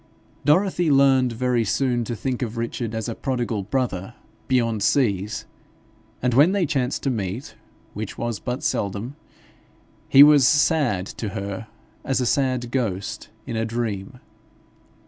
Dorothy learned very soon to think of Richard as a prodigal brother beyond seas, and when they chanced to meet, which was but seldom, he was to her as a sad ghost in a dream.